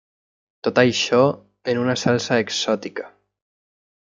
Tot això en una salsa exòtica.